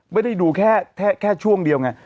ไม่ได้ดูแค่ช่วงเดียวไง